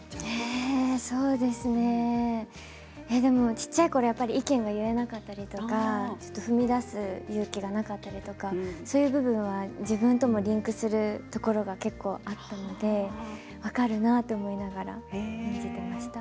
小さいころ意見が言えなかったりとか踏み出す勇気がなかったりとかそういう部分は自分ともリンクするところが結構、あったので分かるなと思いながら演じていました。